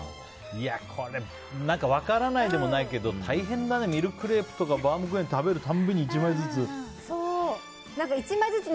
これ、分からないでもないけど大変だね、ミルクレープとかバウムクーヘン食べる度に１枚ずつ。